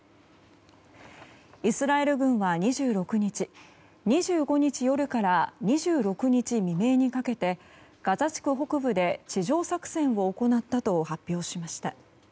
イスラエル軍は２６日２５日夜から２６日未明にかけてガザ地区北部で地上作戦を行ったと発表しました。